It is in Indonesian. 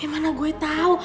ya mana gue tau